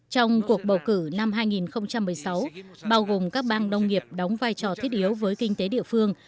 trong cuộc bầu cử năm hai nghìn một mươi sáu bao gồm các bang nông nghiệp đóng vai trò thiết yếu với kinh tế địa phương